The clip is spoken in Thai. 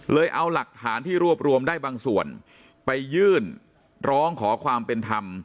เอาหลักฐานที่รวบรวมได้บางส่วนไปยื่นร้องขอความเป็นธรรม